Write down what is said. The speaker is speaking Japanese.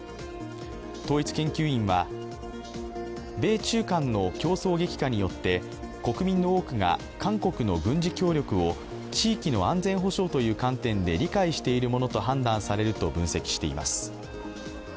統一研究院は、米中間の競争激化によって国民の多くが韓国の軍事協力を地域の安全保障という観点で理解しているものと判断されると分析しています。